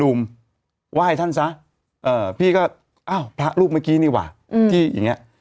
นุ่มว่ายท่านซะพี่ก็อ้าวพระลูกเมื่อกี้นี่หว่าพี่อย่างเงี้ย